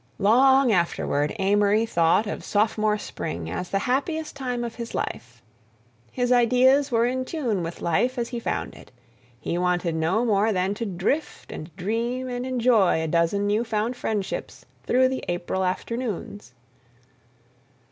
Long afterward Amory thought of sophomore spring as the happiest time of his life. His ideas were in tune with life as he found it; he wanted no more than to drift and dream and enjoy a dozen new found friendships through the April afternoons.